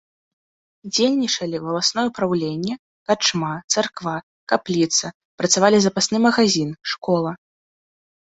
Дзейнічалі валасное праўленне, карчма, царква, капліца, працавалі запасны магазін, школа.